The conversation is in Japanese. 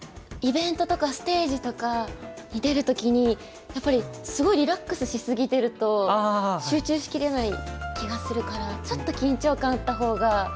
イベントとかステージとかに出る時にやっぱりすごいリラックスし過ぎてると集中しきれない気がするからちょっと緊張感あった方が。